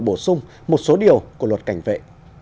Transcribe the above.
bổ sung một số điều của luật cảnh vệ